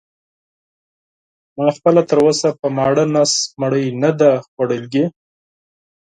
ما خپله تراوسه په ماړه نس ډوډۍ نه ده خوړلې.